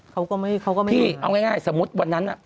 เขาก็ไม่มีพี่เอาง่ายสมมุติวันนั้น